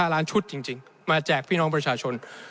๕ล้านชุดจริงมาแจกพี่น้องประชาชน